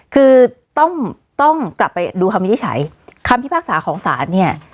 คือต้องต้องกลับไปดูคำนี้ได้ใช้คำที่ภาคศาของศาลเนี่ย